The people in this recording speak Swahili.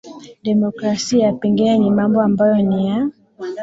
demokrasia pengine ni mambo ambayo ni ya